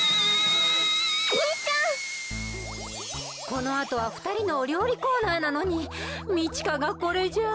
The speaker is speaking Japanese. このあとはふたりのおりょうりコーナーなのにみちかがこれじゃあ。